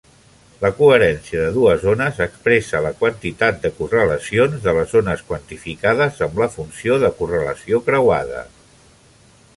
La coherència de dues ones expressa la quantitat de correlacions de les ones quantificades amb la funció de correlació creuada.